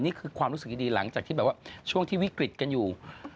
นี่คือความรู้สึกดีหลังจากช่วงที่วิกฤตกันอยู่